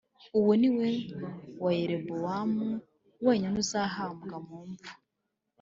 Uwo ni we wa Yerobowamu wenyine uzahambwa mu mva